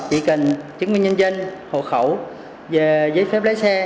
chỉ cần chứng minh nhân dân hộ khẩu giấy phép lấy xe